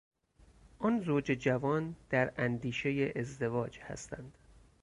آن زوج جوان در اندیشهی ازدواج هستند.